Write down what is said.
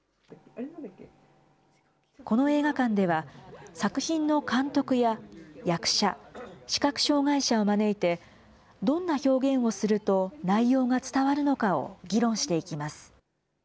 この映画館では、作品の監督や役者、視覚障害者を招いて、どんな表現をすると内容が伝わるのかを議論していきます。